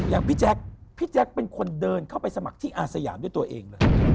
อย่างพี่แจ๊คพี่แจ๊คเป็นคนเดินเข้าไปสมัครที่อาสยามด้วยตัวเองเลย